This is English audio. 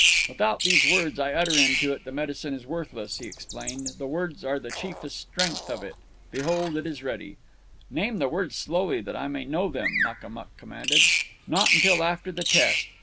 "Without these words I utter into it, the medicine is worthless," he explained. "The words are the chiefest strength of it. Behold, it is ready." "Name the words slowly, that I may know them," Makamuk commanded. "Not until after the test.